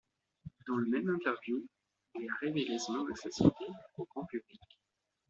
Dans la même interview, il a révélé son homosexualité au grand public.